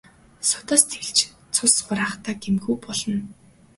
Судас тэлж цус хураахдаа гэмгүй болно.